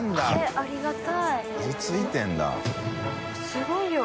すごい量。